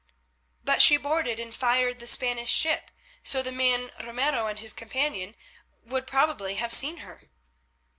"But she boarded and fired the Spanish ship—so the man Ramiro and his companion would probably have seen her."